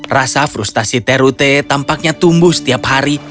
rasa frustasi terute tampaknya tumbuh setiap hari